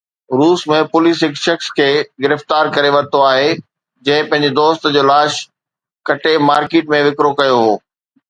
روس ۾ پوليس هڪ شخص کي گرفتار ڪري ورتو آهي جنهن پنهنجي دوست جو لاش ڪٽي مارڪيٽ ۾ وڪرو ڪيو هو